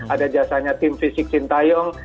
ada jasanya tim fisik sintayong